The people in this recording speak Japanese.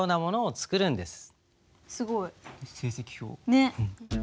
ねっ。